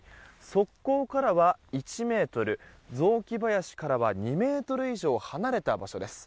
側溝からは１ｍ雑木林からは２ｍ以上離れた場所です。